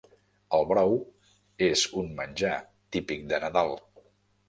El brou és un menjar típic de Nadal.